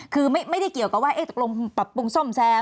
คือไม่ได้เกี่ยวกับว่าตกลงปรับปรุงซ่อมแซม